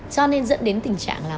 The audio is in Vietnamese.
cho nên dẫn đến tình trạng là